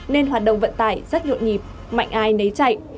nên hoạt động vận tải rất nhộn nhịp mạnh ai nấy chạy